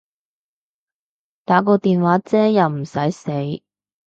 打個電話啫又唔駛死